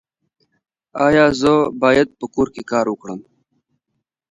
ایا زه باید په کور کې کار وکړم؟